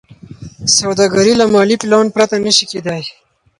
سوداګري له مالي پلان پرته نشي کېدای.